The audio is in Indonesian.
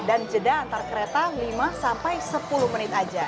dan jeda antar kereta lima sampai sepuluh menit saja